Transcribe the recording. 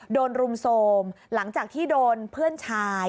รุมโทรมหลังจากที่โดนเพื่อนชาย